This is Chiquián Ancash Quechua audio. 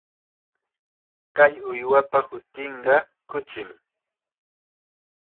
Kay uywapa hutinqa kuchim.